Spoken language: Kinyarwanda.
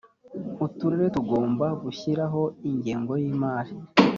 uturere tugomba gushyiraho ingengo y ‘imari.